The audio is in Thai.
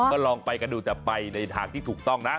ก็ลองไปกันดูแต่ไปในทางที่ถูกต้องนะ